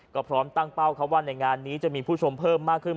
ก็พร้อมตั้งเป้าครับว่าในงานนี้จะมีผู้ชมเพิ่มมากขึ้น